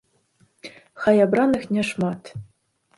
Хай абраных не шмат.